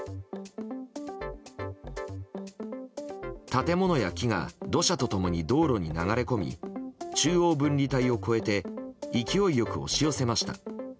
建物や木が土砂と共に道路に流れ込み中央分離帯を越えて勢いよく押し寄せました。